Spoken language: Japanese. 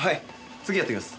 次やっておきます。